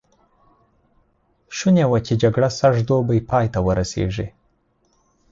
شوني وه چې جګړه سږ دوبی پای ته ورسېږي.